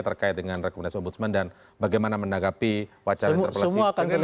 terkait dengan rekomendasi ombudsman dan bagaimana menanggapi wacara interpolasi